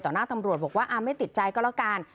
หน้าตำรวจบอกว่าไม่ติดใจก็แล้วกัน